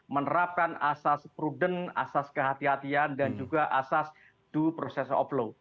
menerapkan asas prudent asas kehatian dan juga asas due process of law